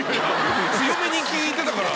強めに聞いてたから。